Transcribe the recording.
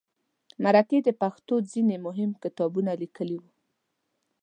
مرکې د پښتو ځینې مهم کتابونه لیکلي وو.